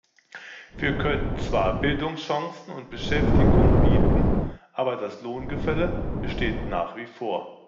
Wir können zwar Bildungschancen und Beschäftigung bieten, aber das Lohngefälle besteht nach wie vor.